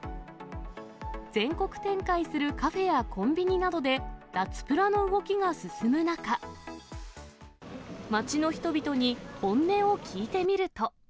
全国展開するカフェやコンビニなどで、脱プラの動きが進む中、街の人々に本音を聞いてみると。